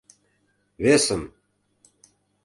Весым!